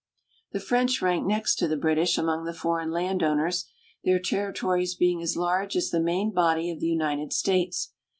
The French rank next to the British among the foreign landowners, their territories being as large as the main body of the United States.